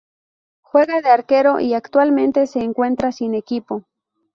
Juega de arquero y actualmente se encuentra sin equipo.